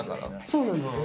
そうなんです。